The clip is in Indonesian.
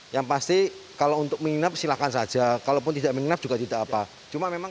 yang pasti kalau untuk menginap silakan saja kalau tidak menginap juga tidak apa